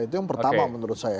itu yang pertama menurut saya